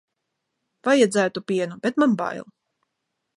Vajadzētu pienu, bet man bail.